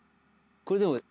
これでも。